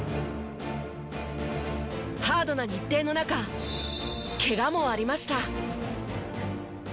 ハードな日程の中ケガもありました。